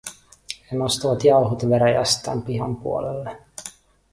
He nostavat jauhot veräjästä pihan puolelle.